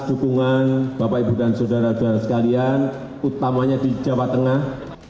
dukungan bapak ibu dan saudara saudara sekalian utamanya di jawa tengah